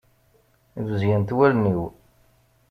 Bezgent wallen-iw.